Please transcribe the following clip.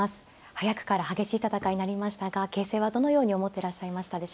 早くから激しい戦いになりましたが形勢はどのように思っていらっしゃいましたでしょうか。